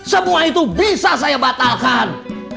semua itu bisa saya batalkan